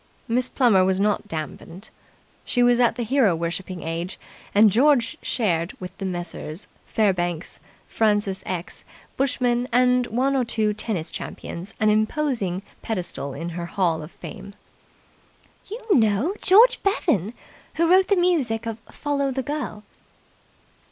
Miss Plummer was not damped. She was at the hero worshipping age, and George shared with the Messrs. Fairbanks, Francis X. Bushman, and one or two tennis champions an imposing pedestal in her Hall of Fame. "You know! George Bevan, who wrote the music of 'Follow the Girl'."